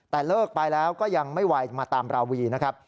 แต่เลิกไปแล้วก็ยังไม่ไหวมาตามราวีนะครับ